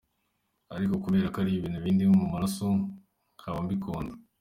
Ariko kubera ko ari ibintu bindimo mu maraso kaba mbikunda.